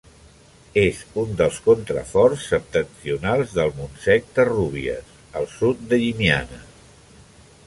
És un dels contraforts septentrionals del Montsec de Rúbies, al sud de Llimiana.